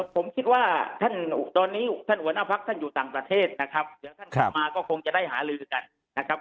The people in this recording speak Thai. ผมคิดว่าท่านตอนนี้ท่านหัวหน้าพักท่านอยู่ต่างประเทศนะครับเดี๋ยวท่านกลับมาก็คงจะได้หาลือกันนะครับ